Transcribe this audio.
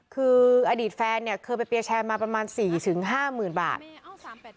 คืออดีตแฟนเนี่ยเคยไปเปียร์แชร์มาประมาณ๔๕หมื่นบาท